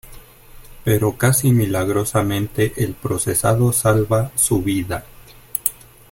Pero casi milagrosamente el procesado salva su vida.